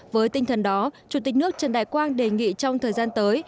với tinh thần đó chủ tịch nước trần đại quang đề nghị trong thời gian tới